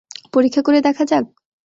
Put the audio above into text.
পরীক্ষা করে দেখা যাক?